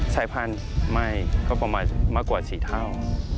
สายพันธุ์ใหม่ก็ประมาณมากกว่า๔เท่า